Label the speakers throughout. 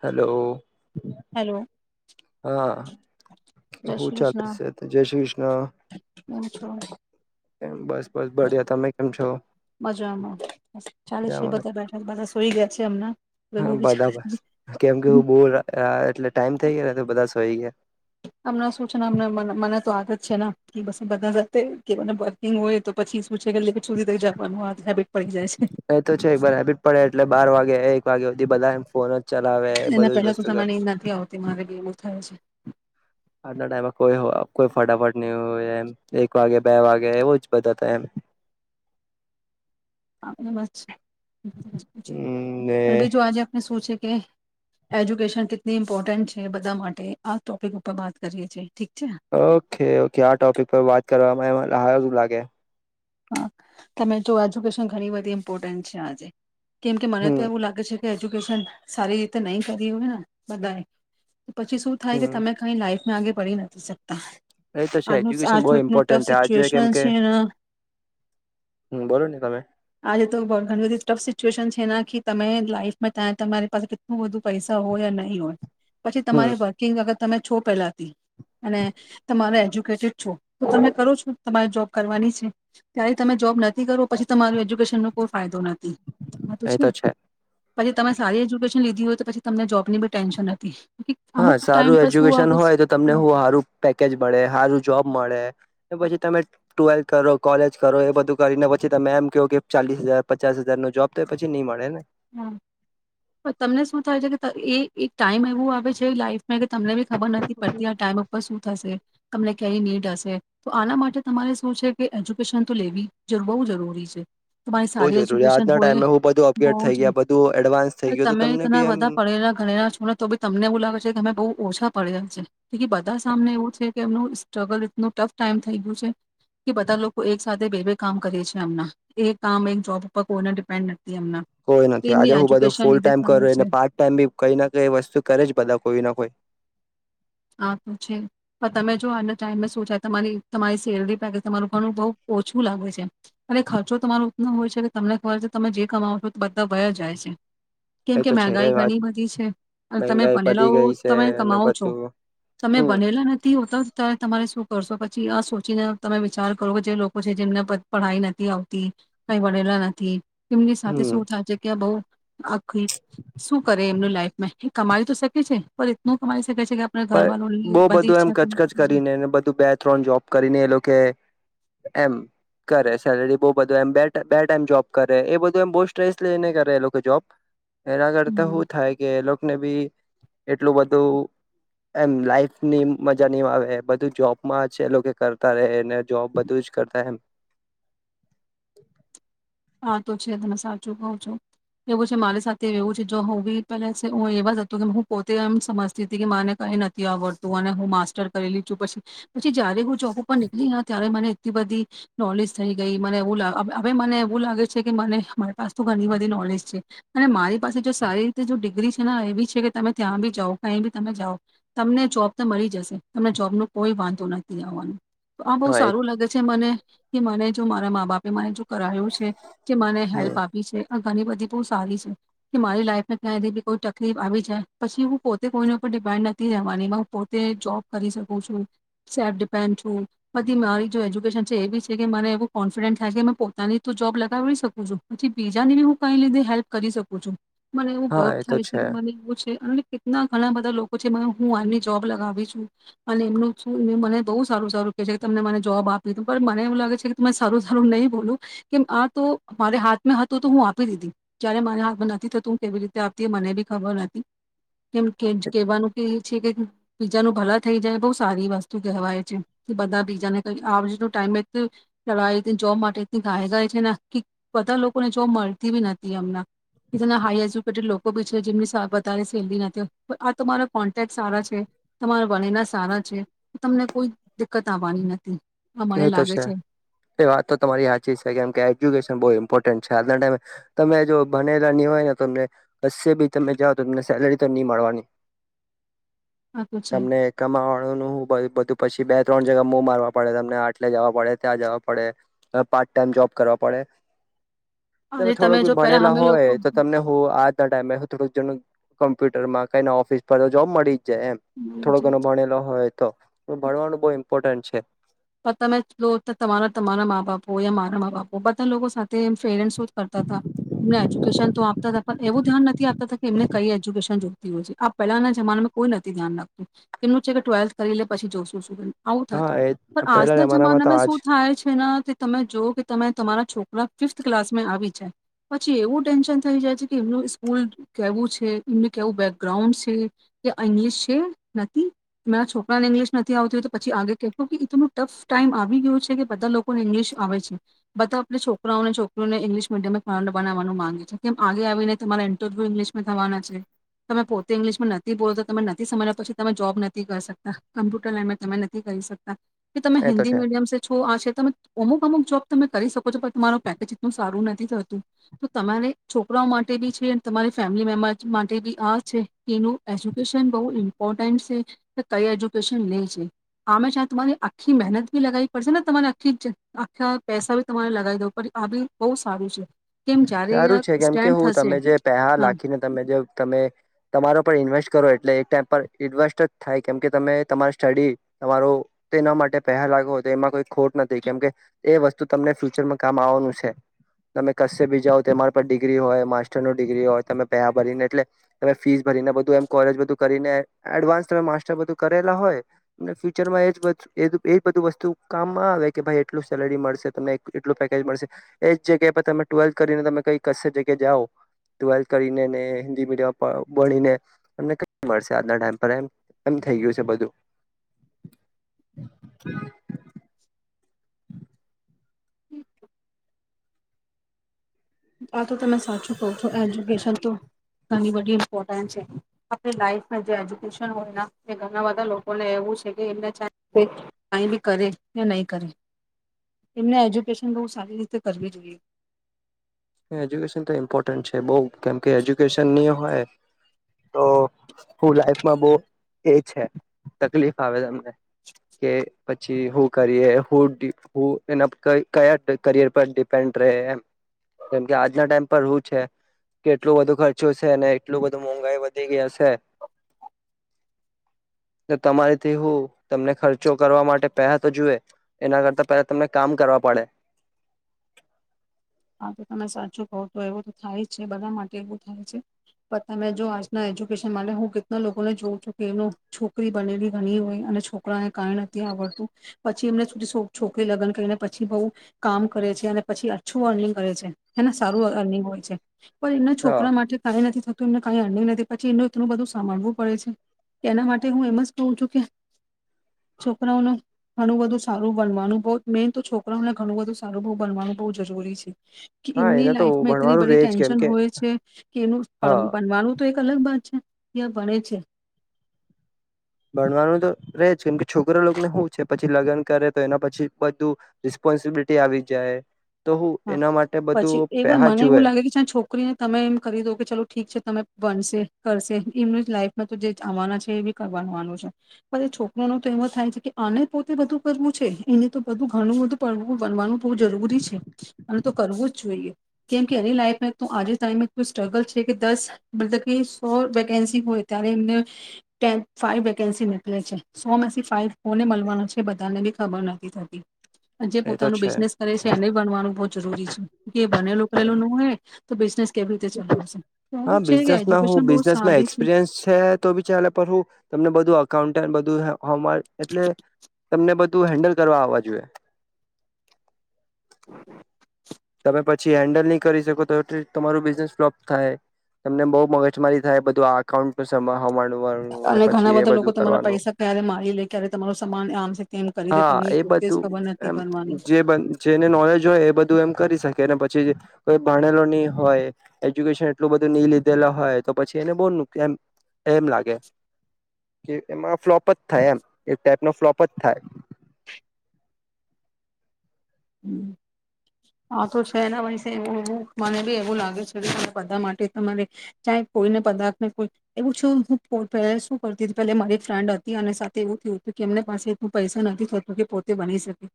Speaker 1: Hello.
Speaker 2: Hello
Speaker 1: હા.
Speaker 2: જય
Speaker 1: હ
Speaker 2: શ્રી
Speaker 1: ચાલે
Speaker 2: કૃષ્ણ
Speaker 1: છે? જય શ્રી કૃષ્ણ.
Speaker 2: કેમ છો
Speaker 1: [unintelligible] બસ બિયા તમે કેમ છો?
Speaker 2: મજામાં ચાલે
Speaker 1: હ
Speaker 2: છે બધા બેઠા બધા સોઈ ગયા છે હમણાં હવે હું વિચાર
Speaker 1: બધા કેમ કે હું બો એટલે ટાઈમ થઇ ગયો. બધસ હોય ગયા.
Speaker 2: હમણાં શું છે ને મને તો આદત જ છે ને પછી બધા જા કે મને વર્કિંગ હોય તો પછી શું છે કે લેખટ સુધી થઈ જવાનું હેબિટ પડી જાય છે
Speaker 1: એ તો છે એક હેબીટ જ પડે એટલે બાર વાગે વાગ્યા બધા ફોન ચલાવે
Speaker 2: એના
Speaker 1: બધું જ
Speaker 2: પેલા તો
Speaker 1: વસ્તુ કરે
Speaker 2: તમારી નથી આવતી મારેબી એવું થાય છે
Speaker 1: આજના ટાઈમમાં કોઈ કોઈ ફટાફટ નહી હોય એમ એક વાગે બે વાગે એવું જ બધા હતા એમ
Speaker 2: આપમને છે
Speaker 1: હમ્મ, ને
Speaker 2: [unintelligible] જો આજે આપને શું છે કે કે એજ્યુકેશન કેટલી ઇમ્પોર્ટન્ટ છે બધા માટે આ ટોપિક ઉપર વાત કરીએ છીંએ
Speaker 1: ઓકે ઓકે આ ટોપિક પર વાત કરવામાં હારું શું લાગે
Speaker 2: હા તમે જો એજ્યુકેશન ઘણી બધી ઇમ્પોર્ટન્ટ છે આજે કેમ કે મને તો
Speaker 1: હમ
Speaker 2: એવું લાગે છે એજ્યુકેશન સારી રીતે નહી કરી હોયને બધાએ પછી શું થાય કે તમે
Speaker 1: હમ
Speaker 2: કઈ લાઈફ મેં આગે પડી નથી શક તા
Speaker 1: એ તો છે
Speaker 2: આજ
Speaker 1: એજ્યુકેશન બહુ
Speaker 2: આજનું એટલું ટફ
Speaker 1: ઇમ્પોર્ટન્ટ છે આજે કેમ
Speaker 2: સિચ્યુએશન
Speaker 1: કે
Speaker 2: છે
Speaker 1: હમ્મ બોલો ને તમે
Speaker 2: આજે તો બાઘાનું ટફ સિચુએશન છે તમે લાઈફમાં ત્યાં તમારી પાસે કેટલું બધું પૈસા હોય નહી હોય પછી
Speaker 1: હમ
Speaker 2: તમારે વર્કિંગ વગર તમે છો પહેલાથી અને તમારે એજ્યુકેટેડ છો તો તમે કરો છો તમારે જોબ કરવાની છે ત્યારે તમે જોબ નથી કરો પછી તમાર એજ્યુકેશન નો કોઈ ફાયદો નથી હા તો
Speaker 1: એ
Speaker 2: છેને
Speaker 1: છે
Speaker 2: પછી તમે સારી એજ્યુકેશન... લીધી હોય તો પછી તમને જોબની બી ટેન્શન નથી.
Speaker 1: હા સારું એજ્યુકેશન હોય તો તમને
Speaker 2: હમ
Speaker 1: એવું હારું પેકેજ મળે હારું જોબ મળે. ને પછી તમે... ટુવેલ્થ કરો કોલેજ કરો એ બધું કરીને પછી તમે એમ કેવ કે ચાલીસ હજાર પચાસ હજાર નો જોબ તો એ પછી ની મળે ને.
Speaker 2: હ પણ તમને શું થાય છે કે એ એક ટાઈમ એવું આવે છે લાઈફ... મે કે તમને બી ખબર નથી પડતી આ ટાઈમ આપવા શું... થશે તમને કઈ નીડ હશે તો આના માટે તમારે શું છે કે એજ્યુકેશન તો લેવી જ બહુ જરૂરી છે. તમારી
Speaker 1: બહું
Speaker 2: સારી
Speaker 1: જરૂરી
Speaker 2: એજ્યુકેશન
Speaker 1: આજના
Speaker 2: હોય
Speaker 1: ટાઈમે હું બધું
Speaker 2: બહુ
Speaker 1: અપગ્રેડ થઈ... ગયા બધું એડવાન્સ થઈ ગયું તો
Speaker 2: તમે
Speaker 1: તમને
Speaker 2: એટલા
Speaker 1: બી એમ
Speaker 2: બધા પડેલા ગણેલા છો ને તો બી તમને એવું લાગે છે કે તમે બહુ... ઓછા પડેલા છે બધા સામને એવું છે કે એમનું સ્ટ્રગલ એટલું ટફ ટાઈમ થઈ ગયું છે કે બધા લોકો એક સાથે બે બે કામ કરે છે અમના, એક કામ એક જોબ ઉપર કોઈને ડિપેન્ડ નથી અમના.
Speaker 1: કોઈ નથી આજે હું બધું ફૂલ ટાઈમ કરુંને
Speaker 2: છે
Speaker 1: પાર્ટ ટાઈમ બી કઈ ના કઈ વસ્તુ કરે જ બધા કોઈ ના કોઈ.
Speaker 2: હા તો છે પણ તમે જો આજના ટાઈમમાં શું છે તમારી તમારી સેલરી પેકેજ તમારૂલોકોનું બહુ ઓછું લાગે છે, અને ખર્ચો તમારો એટલો હોય છે કે તમને ખબર છે, તમે જે કમાવો છો તો બધા વયા જાય છે. કેમ
Speaker 1: એ
Speaker 2: કે
Speaker 1: તો છે એ
Speaker 2: મહેંગાઈ
Speaker 1: વાત
Speaker 2: ઘણી બધી છે, અને તમે
Speaker 1: મહેંગાઈ વધી
Speaker 2: પનેલાઓ
Speaker 1: ગઈ છે
Speaker 2: તમે
Speaker 1: ને
Speaker 2: કમાવો છો.
Speaker 1: બધું
Speaker 2: તમે
Speaker 1: હમ
Speaker 2: બનેલા નથી હોતા. તમારે શું કરશો પછી? આ સોચીને તમે વિચાર કરો કે જે લોકો છે, જેમને પઢાઈ નથી આવતી, કંઈ [unintelligible] નથી. તેમમની સાથે
Speaker 1: હમ
Speaker 2: શું થાય છે કે બઉ આખી શું કરે એમનું લાઈફમેં કમાવી તો શકે છે, પણ ઈતના કમાવી શકે છે કે આપણે
Speaker 1: પણ બહુ
Speaker 2: ઘરવાળોની બધી
Speaker 1: બધું એમ
Speaker 2: ઈચ્છા પૂરી
Speaker 1: કચકચ
Speaker 2: થઈ જાય
Speaker 1: કરીને બધું, બે-ત્રણ જોબ કરીને, એ લોકો કે એમ કરે, સેલરી બહુ બધું, એ બે-બે ટાઈમ જોબ કરે, એ બધું, એ બો સ્ટ્રેસ લઈને કરે, એ લોકો જોબ એના કરતા
Speaker 2: હમ
Speaker 1: શું થાય કે એ લોકોને બી એટલું બધું એમ લાઈફની મજા નહીં આવે. બધું જોબમાં છે. એ લોકો કરતા રહેને, જોબ બધું જ કરતા એમ
Speaker 2: હા, તો છે. તમે સાચું કઉ છો. એવું છે, મારી સાથે એવું છે. જો હું બી પેલા હું એવા જ હતું કે હું પોતે એમ સમજતી હતી કે માને કઈ નથી આવડતું, અને હું માસ્ટર કરી લી છું. પછી પછી જ્યારે હું જોબ ઉપર નીકળી, ત્યારે મને એટલી બધી નોલેજ થઈ ગઈ. મને એવુ લાગે હવે મને એવું લાગે છે કે મને, મારી પાસે તો ઘણી બધી નોલેજ છે, અને મારી પાસે જો સારી રીતે ડિગ્રી છે. એવી છે કે તમે ત્યાં બી જાઓ, કંઈ બી તમે જાઓ, તમને જોબ તો મળી જશે. તમને જોબ ન કોઈ વાંધો નથી આવવાનું. આ બહુ
Speaker 1: હા એ
Speaker 2: સારું લાગે છે મને. કે મને જો મારા મા બાપે મને જો કરાવે. જે મને હેલ્પ આપી છે. આ ઘણી બધી બહુ સારી છે કે મારી લાઈફને ક્યાંયથી બી કોઈ તકલીફ આવી જાય, પછી હું પોતે કોઈને ઉપર ડિપેન્ડ નથી રહેવાની. હું પોતે જોબ કરી શકું છું, સેલ્ફ ડિપેન્ડ છું. બધી મારી જો એજ્યુકેશન છે, એ બી છે કે માને એવું કોન્ફિડન્ટસ થાય છે મેં પોતાની જ તો જોબ લગાવીડી શકું છું. પછી બીજાને બી હું કઈ લીધે હેલ્પ કરી શકું છું. મને એવું
Speaker 1: હા
Speaker 2: ગવ
Speaker 1: એ તો
Speaker 2: થાય છે. મને એવું છે, અને કેટલા ઘણા બધા લોકો છે. હું આમની જોબ લગાવી છું અને એમનું મને બહુ સારું-સારું કે છે કે, તમને મને જોબ આપી. પણ મને એવું લાગે છે કે, તમે સારું-સારું નહીં બોલુ કેમ? આ તો મારે હાથમાં હતું, તો હું આપી દીધી. જ્યારે મારે હાથમાં નથી થતું, હું કેવી રીતે આપતી? મને બી ખબર નથી. કેમ કે કેહેવાનું કે છે કે બીજા ને ભલું થઈ જાય, બહુ સારી વસ્તુ કહેવાય છે. કે બધા બીજાને ક આ ટાઈમ ચાવ જોબ માટે ગાય ગ છે ના કી બધા લોકોને જો મળતી બી નથી અમના જેના હાઈ એજ્યુકેટેડ લોકો બી છે, જેમની વધારે સેલેરી નથી. આ તમારા કોન્ટેક સારા છે, તમારા [unintelligible] સારા છે. તમને કોઈ દિકકત આવવાની નથી. આ મને
Speaker 1: એ તો
Speaker 2: લાગે
Speaker 1: છે. એ વાત તો તમારી હયાચી છે, કેમ કે એજ્યુકેશન બહુ ઇમ્પોર્ન્ટ છે. આજના ટાઈમે તમે જો ભનેલા નહીં હોય ને તમને કસે બી તમે જાવ તો તમને સેલેરી નહીં મળવાની.
Speaker 2: આ તો છે.
Speaker 1: તમને કમાવાળો નું બધું પછી બે ત્રણ જગા મો મારવા પડે. આટલે જવા પડે, ત્યાં જવા પડે પાર્ટ ટાઈમ જોબ કરવા પડે. તમે
Speaker 2: અરે
Speaker 1: થોડુંક બી
Speaker 2: જો પેલા
Speaker 1: ભણેલા
Speaker 2: અમે લોકો
Speaker 1: હોય તો તમને હું આજના ટાઈમે હ થોડુંક જણ કોમ્પ્યુટર માં કઈ ઓફિસ પર તો જોબ મળી. એમ થોડો ઘણો ભણેલો હોય તો ભણવાનું બ ઇ્પોર્ટેન્ટ છે.
Speaker 2: તમે તમારા તમારા મા બાપો યા મારા મા બાપ હો બધા લોકો સાથે ફેરેન્ટ કરતા હતાજુ. એ તો આપતા પણ એવું ધ્યાન નથી આપતા કે એમને કઈ એજ્યુકેશન જોઈતી હોય છે આ પહેલાના જમાનામાં કોઈ નથી ધ્યાન રાખતું એમનું છે કે ટ્વેલ્થ કરી લે પછી જોશું શું. આવું
Speaker 1: હા
Speaker 2: થતું
Speaker 1: એ.
Speaker 2: પણ
Speaker 1: પેલા
Speaker 2: આજના
Speaker 1: તો
Speaker 2: જમાનામાં
Speaker 1: આજ
Speaker 2: શું થાય છેના તે તમે જો કે તમે તમારા છોકરા ફિફથ ક્લાસમાં આવી જાય પછી એવું ટેન્શન થઈ જાય છે કે એમનું સ્કૂલ કેવું છે. એમનું કેવું બેકગ્રાઉન્ડ છે કે ઇંગ્લિશ છે નથી, તમારા છોકરા ને ઇંગ્લિશ નથી આવતી હો તો પછી આગે. ું ટફ ટાઈમ આવી ગયું છે કે બધા લોકોને ઈંગ્લિશ આવે છે. બધા આપે છોકરાઓને છોકરીઓને ઇંગ્લિશ મીડયમ બનાવાનું માંગે છે. કેમ આગે આવીને તમારા ઇન્ટરવ્યુ ઇંગ્લિશમાં થવાના છે. તમે પોતે ઇંગ્લિશમાં નથી બોલો તો તમે નથી સમજ્યા પછી તમે જોબ નથી કરી સકતા કમ્પ્યુટર લાઈનમાં તમે નથી કરી શકતા. કે તમે
Speaker 1: એ તો
Speaker 2: હિન્દી
Speaker 1: છે
Speaker 2: મીડિયમ છો આ છે. તમે અમુક અમુક જોબ તમે કરી શકો છો પણ તમારું પેકેજ એટું સારું નથી થતું તો તમારે છોકરાઓ માટે બી છે તમારી ફેમિલી મેમ્બર્ માટે બી આ છે. કે એનું એજ્યુકેશન બહુ ઇમ્પોર્ટન્ટ છે કે કઈ એજ્યુકેશન લે છે આમે તમારી આખી મહેનત બી લગાવી પડશે ને તમારે આખી આખા પૈસા ભી તમારે લગાવી દવું પડે આ બી બહુ સારું છે. કેમ જયારે આ
Speaker 1: સારું છે કેમ કે
Speaker 2: સ્ટેન્ડ
Speaker 1: હું
Speaker 2: થશે
Speaker 1: તમે જે પેસા
Speaker 2: હા
Speaker 1: લખીને તમે જે તમે તમારા પર ઇન્વેસ્ટ કરો. એટલે એક ટાઈમ પર એડવસ્ટ જ થાય કેમ કે તમે તમારી સ્ટડી તમારો તેના માટે પહે લાગો તો એમાં કોઈ ખોટ નથી કેમકે એ વસ્તુ તમને ફ્યુચરમાં કામ આવવાનું છે. તમે ક બીજાવ તમારા પર ડિગ્રી હોય માસ્ટર ન ડિગ્રી હોય તમે પેહ ભરીને એટલે તમે ફીસ ભરીને બધું એમ કોલેજ બધું કરીને એડવાન્સ તમે માસ્ટર બધું કરેલા હોય ફ્યુચરમાં એ એ બધું વસ્તુ કામમાં આવે કે ભાઈ એટલું સેલેરી મળશે તમને એટલું પેકેજ મળશે. એજ જગ્યા પર તમે ટ્વેલ્થ કરીને તમે કઈ કશ જગ્યા જાઓ ટ્વેલ્થ કરીને હિન્દી મીડિયમ બોનેમને મળશે આજના ટાઈમ પર એમ થઈ ગયું છે બધું.
Speaker 2: આ તો તમે સાચું કહો છો એજ્યુકેશન તો ઘણી બધી ઇમ્પોર્ટન્સ છે આપ લાઈફમાં જે એજ્યુકેશન હોય એ ઘણા બધા લોકોને એવું છે કે એમને કંઈ બી કરે કે નહીં કરે એમને એજ્યુકેશન બહુ સારી રીતે કરવી જોઈએ.
Speaker 1: એજુકેશન તો ઇમ્પોર્ટન્ટ છે બ કેમકે એજ્યુકેશનની હોય તો હું લાઈફમાં બ એ છે. તકલીફ આવે તમને કે પછી હું કરીએું એના કયા કરિયર પર ડિપેન્ડ રહે એમ. કેમ કે આજના ટાઈમ પર હું છે કે એટલું બધું ખર્ચું છે અને એટલું બધું મોંઘાાઈ વધી ગયા છે તો તમારીથી હું તમને ખર્ચો કરવા માટે પહેહ તો જોુએ એના કરતા પહેલા તમને કામ કરવા પડે.
Speaker 2: હા તો તમે સાચું કહ તો એવું તો થાય જ છે બધા માટે એવું થાય છે પણ તમે જો આજના એજ્યુકેશન માટે હું કેટલા લોકોને જોઉં છું કે એનું છોકરી બનેલી ઘણી હોય અને છોકરાને કાંઈ નથી આવડતું પછી એમને સુધી છોકરી લગ્ન કરીને પછી બહુ કામ કરે છે. અને પછી ું અર્નિંગ કરે છે, એના સારું અર્નિંગ હોય છે. પણ એના
Speaker 1: હા
Speaker 2: છોકરા માટે કઈ નથી થ. એમને કઈ અ્યું નથી પછી એનું એટલું બધું સાંભળવું પડે છે એના માટે હું એમ જ કહ છું કે છોકરાઓને ઘણું બધું સારું બનવાનું બહ મેન તો છોકરાઓને ઘણું બધું સારું બહ બનવાનું બ જરૂરી છે. કે
Speaker 1: હા
Speaker 2: એમની
Speaker 1: એને તો
Speaker 2: લાઈફમાં એટલી
Speaker 1: ભણવાનું
Speaker 2: બધી
Speaker 1: રેજ કેમ
Speaker 2: ટેન્શન
Speaker 1: કે
Speaker 2: હોય છે કે એમનું
Speaker 1: હા
Speaker 2: બનવાનું તો એક અલગ બાત છે. ક્યાં ભણે છે.
Speaker 1: ભણવાનું તો ર જ કેમ કે છોકરા લોકોને શું છે પછી લગ્ન કરે તો એના પછી બધું રિસ્પોન્સિબિલિટી આવી જાય. તો હું
Speaker 2: હા,
Speaker 1: એના માટે બધું
Speaker 2: પછી એવા
Speaker 1: પેહા
Speaker 2: મને એવું
Speaker 1: જુએ
Speaker 2: લાગે કે છોકરીને તમે એમ કરી દો કે ચાલો ઠીક છે તમે. બનશે કરશે એમને લાઈફમાં તો જે આવવાના છે એ બી કરવાનું વાનું છે પણ એ છોકરો ન તો એવો થાય છે કે આને પોતે બધું કરવું છે એને તો બધું ઘણું બધું પડવું બનવાનું બહુ જરૂરી છે. અને તો કરવું જ જોઈએ કેમ કે એની લાઈફ આજે ટ સ્ટ્રગલ છે કે દસ મતલ કે સો વેકેન્સી હોય ત્યારે એમને ફવ વેકેન્સી નીકળે છે. સો ફ કોને મળવા છે બધાને બી ખબર નથી થતી. જે
Speaker 1: એ તો
Speaker 2: પોતાનું
Speaker 1: છે
Speaker 2: બિઝનેસ કરે છે એને બનવાનું બહુ જરૂરી છે એ બનેલું ખલેલું ન હે તો બિઝનેસ કેવી રીતે ચલાવશે તો એમ
Speaker 1: હા
Speaker 2: છે કે
Speaker 1: બિઝનેસમાં હ
Speaker 2: એજ્યુકેશન બહુ
Speaker 1: બિઝનેસમાં
Speaker 2: સારી છે
Speaker 1: એક્સપિરિયન્સ છે તો બી ચાલે હું તમને બધું અઉ બધું હ એટલે તમને બધું ત હેન્ડલ કરવા આવવા જોઈએ.
Speaker 2: [inaudible]
Speaker 1: તમે પછી હેન્ડલ નહી કરી શકો તો એ તમારું બિઝનેસ ફ્લોપ થાય તમને બહુ મગજમારી થાય બધું આ અકાઉન્ટ ન સ
Speaker 2: અને
Speaker 1: પછ
Speaker 2: ઘણા
Speaker 1: બ
Speaker 2: બધા લોકો તમારા
Speaker 1: કરવાનું
Speaker 2: પૈસા ક્યારે મારી લે ક્યારે તમારું સમાન આમ છે તેમ
Speaker 1: હ
Speaker 2: કરી દે તમને પોતે જ ખબર નથી બનવાની
Speaker 1: નોલેજ હોય પછી કોઈ ભણેલો નહી હોય એજ્યુકેશન એટલું બધું નહી લીધેલા હોય તો પછી એને બ એમ લાગે કે એમાં ફ્લોપ થાય એ એક ટ ફલો થાય.
Speaker 2: હા તો છે એના વષવ મને બી એવું લાગે છે કે બધા માટે તમારે કોઈને પાર્થને એવું શું શું કરતી પ મારી ફ્રેન્ડ હતી અને સાથે એવું થયું હતું કે એમ પાસે એટલું પૈસા નથી થતો કે પોતે બની શકે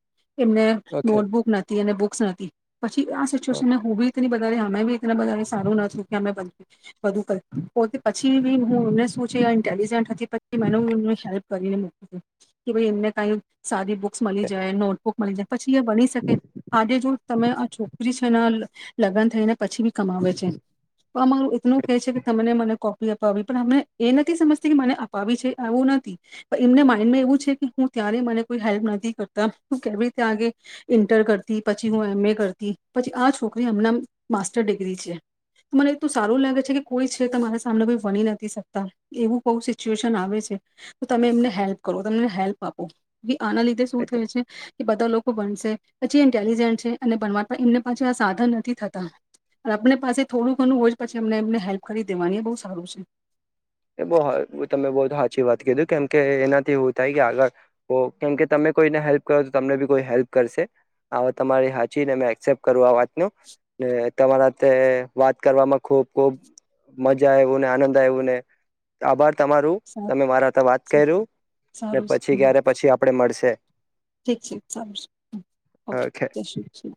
Speaker 2: એને
Speaker 1: ઓકે
Speaker 2: નોટબુક નથી અને બુક ઓકસસાથી [inaudible] પછી આ સિચ્યુએન ને હું બી બ અમે બી એ બધારે સારું નું કે અમે બધું કર પોતે પછી બી હું એમને શું છે ન્ટેલિજન્ટ હતી પછી મે હેલ્પ કરીને મકું કે ભાઈ એમને કઈ સારી મળી જાય નોટ હ મળી બની શકે આજે જો તમે આ છોકરી છેને લગ્ન થઈને પછી બી કમાવે છે તો આ મારું એટનું કેહે છે, કે તમને મને કો અપાવી પણ અમને એ નથી સમજતી કે મને અપાવી છે આવું નથી પણ એમને માઇન્ડમાં એવું છે કે હું ત્યારે મને કોઈ હેલ્પ નથી કરતા તું કેવી રીતે આગે ઇન્ટર કરતી પછી હું એમ એ કરતી પછી આ છોકરી અમને માસ્ટર ડિગ્રી છે મને એ તો સારું લાગે છે કે કોઈ છે તમારા સામને કો વણી નથી શકતા એવું બહ સિચ્યુએશન આવે છે તો તમે એમને હેલ્પ કરો તમને હેલ્પ આપો આના લીધે શું થય છે કે બધા લોકો પછી ઇન્ટેલજન્ટ છે અને બ એમને પાસે આ સાધન નથી થતા આપને પાસે થોડું ઘણું હોય પછી અમને એમને હેલ્પ કરી દેવાની એ બહ સારું છે
Speaker 1: બ તમે બહ સાચી વાત કીધું કેમકે એનાથી એવું થાય કે આગળ કેમ કે તમે કોઈને હેલ્પ કરો તો તમને બી કોઈ હેલ્પ કરશે આ તમારી સાચીને એક્સેપ્ટ કરું આ વાત [inaudible] તમારા વાત કરવામાં ખુબ ખુબ મજા આવું ને આનંદ આવ્યો ને આર. તમારું તમે મારા વાત
Speaker 2: છે
Speaker 1: કર્યું ને
Speaker 2: સારું
Speaker 1: પછી ક્યારે પછી આપડે મળશે
Speaker 2: ઠીક છે ચાલ
Speaker 1: ઓકે
Speaker 2: જય